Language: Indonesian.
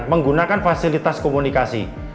menggunakan fasilitas komunikasi